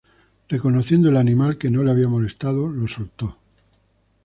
Reconociendo el animal que no le había molestado, lo soltó.